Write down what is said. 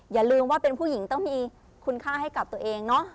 อย่าลืมว่าเป็นผู้หญิงต้องมีคุณค่าให้กับตัวเองเนอะ